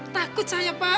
takut saya pak